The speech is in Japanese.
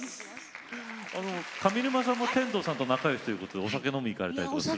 上沼さんも天童さんと仲よしということでお酒を飲みに行かれるんですか？